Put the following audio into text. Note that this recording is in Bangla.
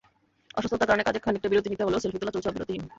অসুস্থতার কারণে কাজে খানিকটা বিরতি নিতে হলেও সেলফি তোলা চলছে বিরতিহীন।